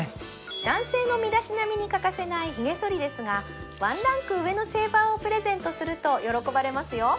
男性の身だしなみに欠かせないひげそりですがワンランク上のシェーバーをプレゼントすると喜ばれますよ